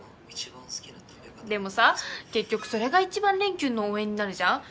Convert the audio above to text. でもさ結局それが一番蓮きゅんの応援になるじゃん？